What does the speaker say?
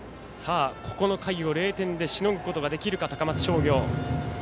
この回を０点でしのぐことができるか高松商業。